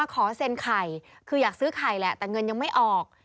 ขอเซ็นไข่คืออยากซื้อไข่แหละแต่เงินยังไม่ออก